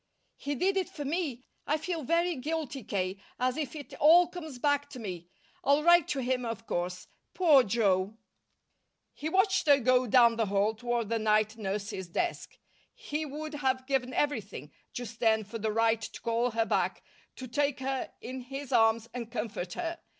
"He did it for me. I feel very guilty, K., as if it all comes back to me. I'll write to him, of course. Poor Joe!" He watched her go down the hall toward the night nurse's desk. He would have given everything just then for the right to call her back, to take her in his arms and comfort her.